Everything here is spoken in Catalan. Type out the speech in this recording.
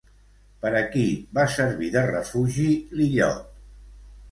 Per a qui va servir de refugi l'illot?